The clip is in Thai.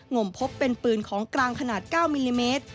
มพบเป็นปืนของกลางขนาด๙มิลลิเมตร